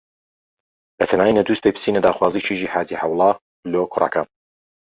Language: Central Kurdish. بەتاماینە دووسبەی بچینە داخوازی کیژی حاجی عەوڵای لۆ کوڕەکەم.